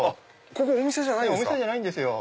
ここお店じゃないんですか。